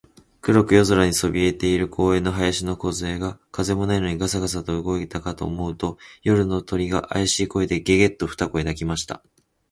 黒く夜空にそびえている公園の林のこずえが、風もないのにガサガサと動いたかと思うと、夜の鳥が、あやしい声で、ゲ、ゲ、と二声鳴きました。